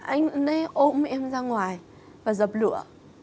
anh ấy ôm em ra ngoài và dập lửa